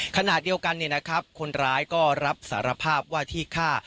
ขนาดเดียวกันเนี่ยนะครับคนร้ายก็รับสารภาพว่าที่ฆ่า